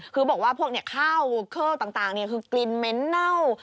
คือบอกว่าพวกเนี่ยข้าวเครื่องต่างเนี่ยคือกลิ่นเหม็นเน่า